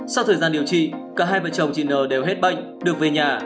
sau thời gian điều trị cả hai vợ chồng chị nờ đều hết bệnh được về nhà